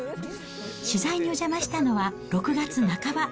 取材にお邪魔したのは６月半ば。